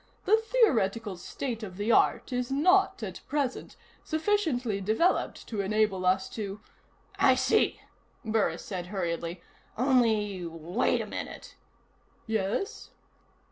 The theoretical state of the art is not, at present, sufficiently developed to enable us to " "I see," Burris said hurriedly. "Only wait a minute." "Yes?"